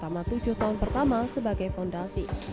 menuju tahun pertama sebagai fondasi